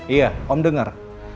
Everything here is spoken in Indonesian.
iya om dengar